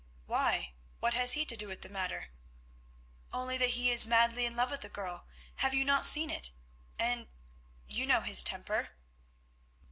"Why, what has he to do with the matter?" "Only that he is madly in love with the girl. Have you not seen it? And—you know his temper."